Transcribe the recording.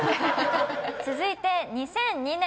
続いて２００２年。